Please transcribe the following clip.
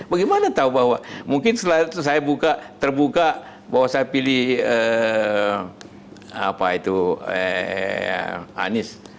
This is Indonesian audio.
bagaimana tahu bahwa mungkin setelah saya buka terbuka bahwa saya pilih anies